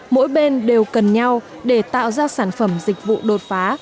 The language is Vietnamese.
mỗi bên đều cần nhau để tạo ra sản phẩm dịch vụ đột phá